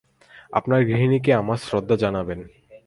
আপনার গৃহিণীকে আমার শ্রদ্ধা জানাবেন।